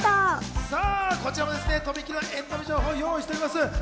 こちらもとびきりのエンタメ情報を用意しています。